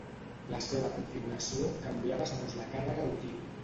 La seva configuració canviava segons la càrrega útil.